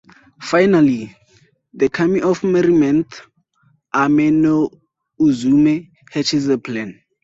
Finally, the kami of merriment, Ame-no-Uzume, hatches a plan.